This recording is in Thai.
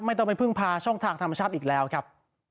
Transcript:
ไม่ต้องไปพึ่งพาช่องทางธรรมชาติอีกแล้วครับ